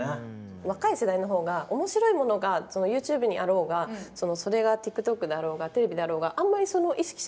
若い世代のほうが面白いものがＹｏｕＴｕｂｅにあろうがそれがＴｉｋＴｏｋだろうがテレビだろうがあんまり意識しないじゃないですか。